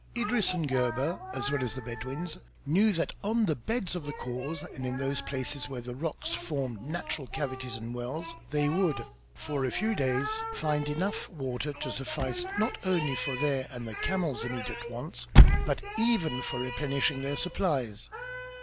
Idris and Gebhr as well as the Bedouins knew that on the beds of the khors and in those places where the rocks formed natural cavities and wells they would, for a few days, find enough water to suffice not only for their and the camels' immediate wants but even for replenishing their supplies.